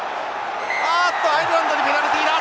あっとアイルランドにペナルティだ！